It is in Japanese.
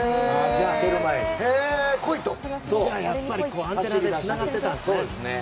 じゃあやっぱりアンテナでつながってたんですね。